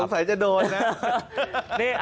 สงสัยจะโดยนะ